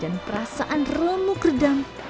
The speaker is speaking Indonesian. dan perasaan remuk redang